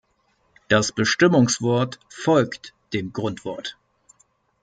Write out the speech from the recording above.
Das Bestimmungswort "folgt" dem Grundwort.